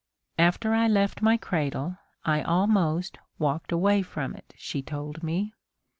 After I left my cradle, I almost walked away from it, she told me.